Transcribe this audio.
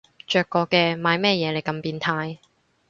着過嘅買乜嘢你咁變態